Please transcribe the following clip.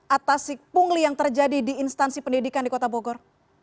atas pungli yang terjadi di instansi pendidikan di kota bogor